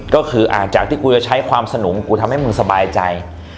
ก็คือจากที่กูจะใช้ความสนุกกูทำให้มึงสบายใจ